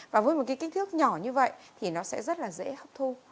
và với một cái kích thước nhỏ như vậy thì nó sẽ rất là dễ hấp thu